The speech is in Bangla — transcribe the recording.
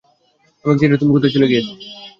আমাকে ছেড়ে তুমি কোথায় চলে গিয়েছো?